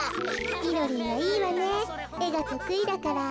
みろりんはいいわねえがとくいだから。